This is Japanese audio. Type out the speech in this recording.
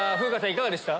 いかがでした？